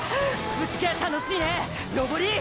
すっげ楽しいね登り！！